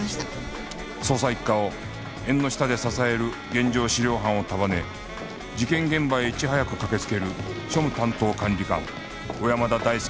捜査一課を縁の下で支える現場資料班を束ね事件現場へいち早く駆けつける庶務担当管理官小山田大介警視